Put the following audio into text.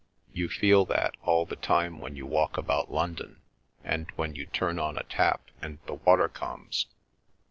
You feel that all the time when you walk about London, and when you turn on a tap and the water comes?"